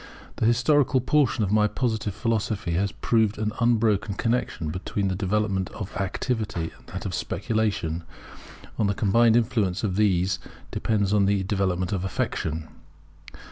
The historical portion of my Positive Philosophy has proved an unbroken connexion between the development of Activity and that of Speculation; on the combined influence of these depends the development of Affection.